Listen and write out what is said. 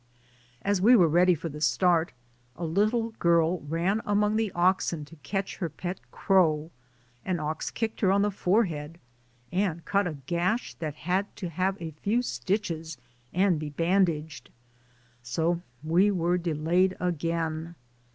As we were ready for the start, a little girl ran among the oxen to catch her pet crow ; an ox kicked her on the forehead and cut a gash that had to have a few stitches and be bandaged, so we were delayed again.